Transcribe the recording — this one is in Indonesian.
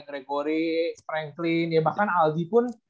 gregory franklin ya bahkan algi pun